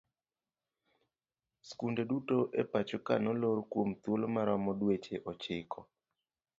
Skunde duto e pacho ka nolor kuom thuolo maromo dweche ochiko.